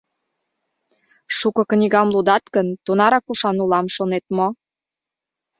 Шуко книгам лудат гын, тунарак ушан улам, шонет мо?